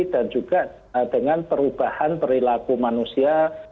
juga dengan perubahan perilaku manusia